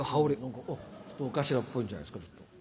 お頭っぽいんじゃないですか？